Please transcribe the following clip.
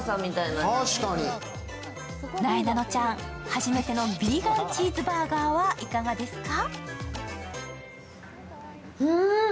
なえなのちゃん、初めてのヴィーガン・チーズバーガーはいかがですか？